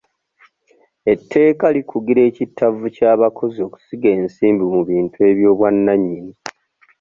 Etteeka likugira ekittavvu ky'abakozi okusiga ensimbi mu bintu eby'obwannannyini.